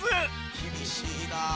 「厳しいなあ」